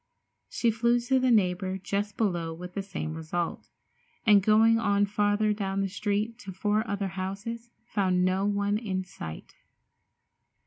She flew to the neighbor just below with the same result, and going on farther down the street to four other houses, found no one in sight.